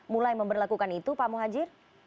mulai memperlakukan itu pak muhajir